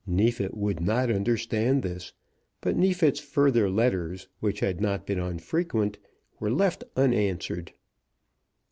Neefit would not understand this, but Neefit's further letters, which had not been unfrequent, were left unanswered.